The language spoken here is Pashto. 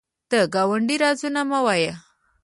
د ګاونډي رازونه مه وایه